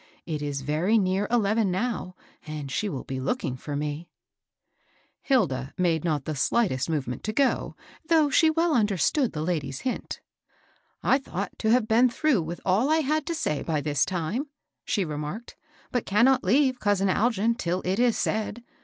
It is very near eleven now, and she will be looking for me," Hilda made not the slightest movement to go, though she well understood the lady's hint. I thought to have been through with all I had to say, by this time/' she remarked, " but cannot leave, cousin Algin, till it is said.